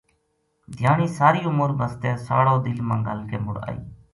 دھیانی ساری عمر بَسطے ساڑو دل ما گھل کے مڑ اَئی